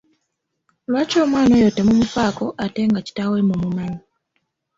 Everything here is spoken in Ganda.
Lwaki omwana oyo temumufaako ate nga kitaawe mumumanyi?